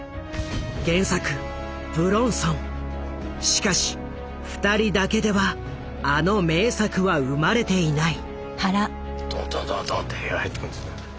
しかし２人だけではあの名作は生まれていない。